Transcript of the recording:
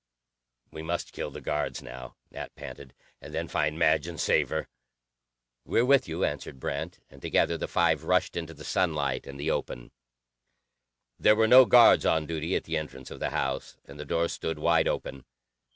"We must kill the guards now," Nat panted. "And then find Madge and save her." "We're with you," answered Brent, and together the five rushed into the sunlight and the open. There were no guards on duty at the entrance of the house, and the door stood wide open.